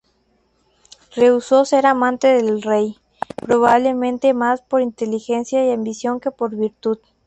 Rehusó ser amante del rey, probablemente más por inteligencia y ambición que por virtud.